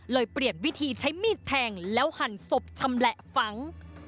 เปลี่ยนวิธีใช้มีดแทงแล้วหั่นศพชำแหละฝัง